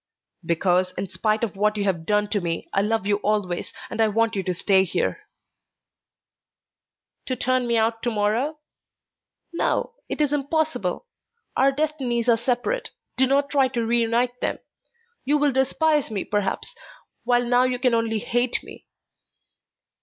"Because, in spite of what you have done to me, I love you always, and I want you to stay here." "To turn me out to morrow? No; it is impossible. Our destinies are separate; do not try to reunite them. You will despise me perhaps, while now you can only hate me."